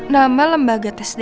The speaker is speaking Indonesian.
nama lembaga tes dna